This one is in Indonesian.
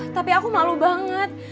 tapi aku malu banget